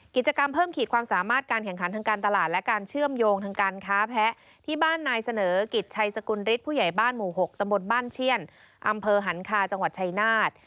กิจกรรมเพิ่มขีดความสามารถการแข่งขันทางการตลาดและการเชื่อมโยงทางการค้าแพ้ที่บ้านนายเสนอกิจชัยสกุลฤทธิ์ผู้ใหญ่บ้านหมู่๖ตำบลบ้านเชี่ยนอำเภอหันคาจังหวัดชายนาฏ